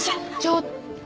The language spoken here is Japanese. ちょっと！